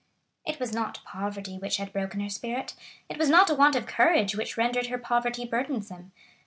It was not poverty which had broken her spirit; it was not a want of courage which rendered her poverty burdensome.